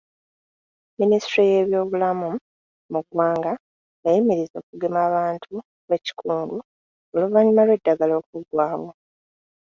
Minisitule y’ebyobulamu mu ggwanga yayimiriza okugema abantu okwekikungo oluvannyuma lw’eddagala okuggwaawo.